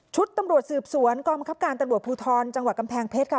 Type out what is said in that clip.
ตำรวจสืบสวนกองบังคับการตำรวจภูทรจังหวัดกำแพงเพชรค่ะ